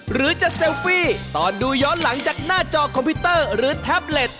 หรือจะเซลฟี่ตอนดูย้อนหลังจากหน้าจอคอมพิวเตอร์หรือแท็บเล็ต